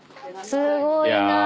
すごいな。